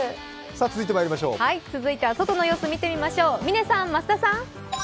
続いては外の様子、見てまいりましょう。